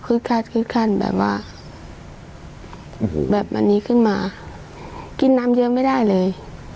ขึ้นขั้นขึ้นขั้นแบบว่าแบบอันนี้ขึ้นมากินน้ำเยอะไม่ได้เลย